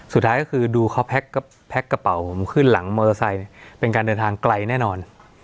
สุดท้ายก็คือดูเขาแพ็คกระเป๋าผมขึ้นหลังมอเตอร์ไซค์เป็นการเดินทางไกลแน่นอน